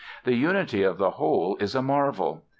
The unity of the whole is a marvel.